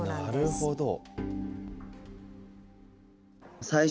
なるほど。